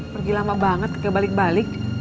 pergi lama banget kayak balik balik